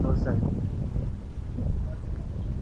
অষ্টম রাতে আমি অন্যদিনের চেয়ে একটু সাবধানে দরজাটা খুললাম।